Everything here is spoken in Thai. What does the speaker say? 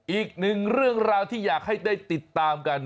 อีกหนึ่งเรื่องราวที่อยากให้ได้ติดตามกัน